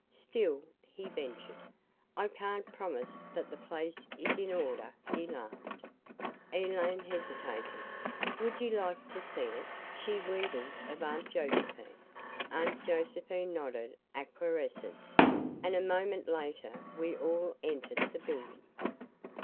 Still," he ventured, "I can't promise that the place is in order," he laughed. Elaine hesitated. "Would you like to see it?" she wheedled of Aunt Josephine. Aunt Josephine nodded acquiescence, and a moment later we all entered the building.